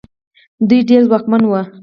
دوی ډېر ځواکمن وو.